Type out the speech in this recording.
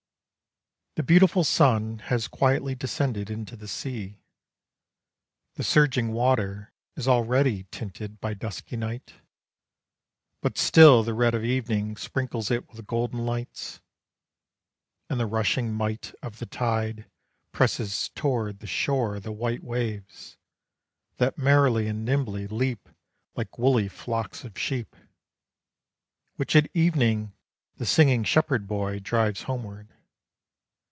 The beautiful sun Has quietly descended into the sea. The surging water is already tinted By dusky night But still the red of evening Sprinkles it with golden lights. And the rushing might of the tide Presses toward the shore the white waves, That merrily and nimbly leap Like woolly flocks of sheep, Which at evening the singing shepherd boy Drives homeward.